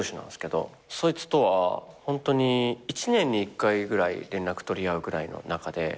そいつとは一年に一回ぐらい連絡取り合うぐらいの仲で。